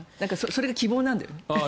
それが希望なんだよね。